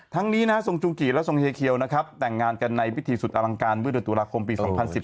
ทั้งนี้ทรงจูกิและทรงเฮเคียวแต่งงานกันในวิถีสุดอลังการวิทยุตุลาคมปี๒๐๑๗